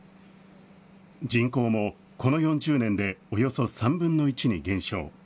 人口もこの４０年でおよそ３分の１に減少。